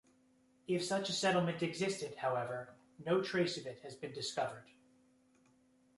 If such a settlement existed, however, no trace of it has been discovered.